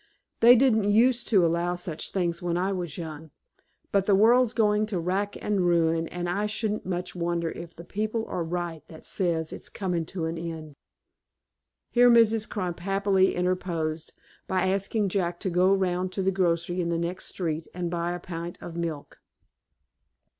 They didn't use to allow such things when I was young. But the world's going to rack and ruin, and I shouldn't much wonder if the people are right that says it's comin' to an end." Here Mrs. Crump happily interposed, by asking Jack to go round to the grocery, in the next street, and buy a pint of milk.